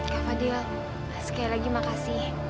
ya fadil sekali lagi makasih